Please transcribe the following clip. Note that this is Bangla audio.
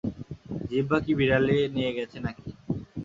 জিহ্বা কি বিড়ালে নিয়ে গেছে না-কি?